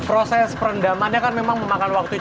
nah proses perendamannya kan memang memakan waktu yang sangat lama